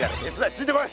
ついてこい！